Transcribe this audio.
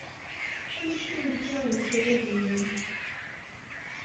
Amek ay yekka ukayad-nnem?